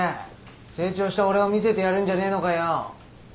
「成長した俺」を見せてやるんじゃねえのかよ？